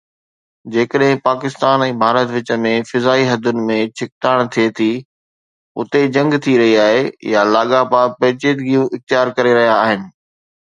جيڪڏهن پاڪستان ۽ ڀارت وچ ۾ فضائي حدن ۾ ڇڪتاڻ ٿئي ٿي، اتي جنگ ٿي رهي آهي يا لاڳاپا پيچيدگيون اختيار ڪري رهيا آهن